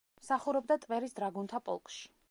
მსახურობდა ტვერის დრაგუნთა პოლკში.